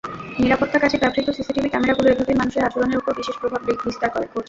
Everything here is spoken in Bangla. নিরাপত্তাকাজে ব্যবহৃত সিসিটিভি ক্যামেরাগুলো এভাবেই মানুষের আচরণের ওপর বিশেষ প্রভাব বিস্তার করছে।